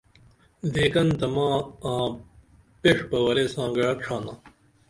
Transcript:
دیقن تہ ما آں پیڜ بہ ورے ساں گعہ ڇھانا